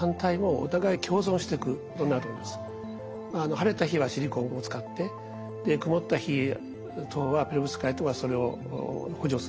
晴れた日はシリコンを使って曇った日等はペロブスカイトがそれを補助する。